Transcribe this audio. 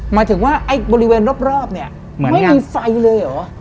หมายถึงว่าบริเวณรอบไม่มีไฟเลยเหรอ